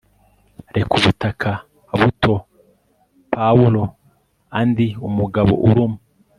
reka ubutaka butonpawuloa ndi umugabo uruma